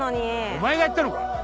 お前がやったのか？